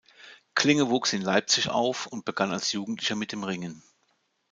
Klinge wuchs in Leipzig auf und begann als Jugendlicher mit dem Ringen.